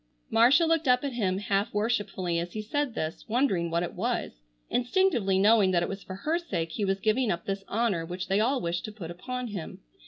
Marcia looked up at him half worshipfully as he said this, wondering what it was, instinctively knowing that it was for her sake he was giving up this honor which they all wished to put upon him.